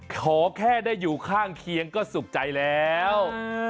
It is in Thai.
ขอแค่ได้อยู่ข้างเคียงก็สุขใจแล้ว